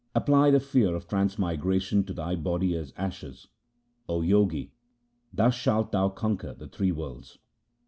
Apply the fear of transmigration to thy body as ashes, O Jogi, thus shalt thou conquer the three worlds.